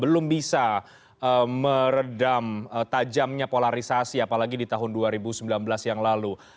belum bisa meredam tajamnya polarisasi apalagi di tahun dua ribu sembilan belas yang lalu